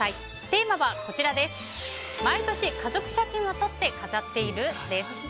テーマは毎年、家族写真を撮って飾っている？です。